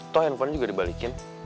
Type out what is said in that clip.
toh handphonenya juga dibalikin